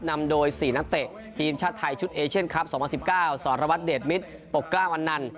นำโดยสี่นักเตะทีมชาติไทยชุดเอเชียนครับสองพันสิบเก้าสรวรรค์เดทมิตรปกกร้าวอันนั้น